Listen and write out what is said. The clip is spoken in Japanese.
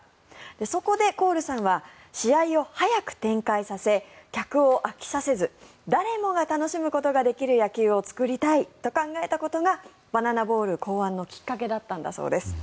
そこでコールさんは試合を早く展開させ客を飽きさせず誰もが楽しむことができる野球を作りたいと考えたことがバナナボール考案のきっかけだったそうです。